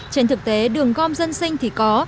trên thực tế đường gom dân sinh thì có